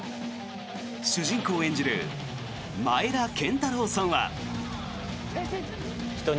主人公を演じる前田拳太郎さんは。